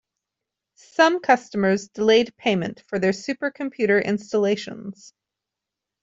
Some customers delayed payment for their supercomputer installations.